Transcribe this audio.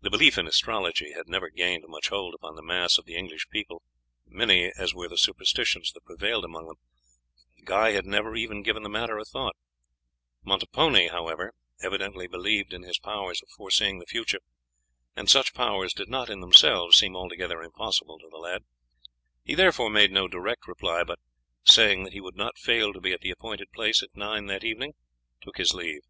The belief in astrology had never gained much hold upon the mass of the English people, many as were the superstitions that prevailed among them. Guy had never even given the matter a thought. Montepone, however, evidently believed in his powers of foreseeing the future, and such powers did not in themselves seem altogether impossible to the lad; he therefore made no direct reply, but saying that he would not fail to be at the appointed place at nine that evening, took his leave.